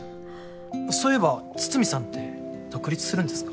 そういえば筒見さんって独立するんですか？